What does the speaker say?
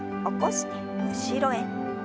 起こして後ろへ。